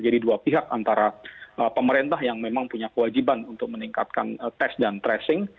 jadi dua pihak antara pemerintah yang memang punya kewajiban untuk meningkatkan tes dan tracing